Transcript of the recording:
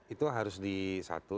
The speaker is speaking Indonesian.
itu harus di satu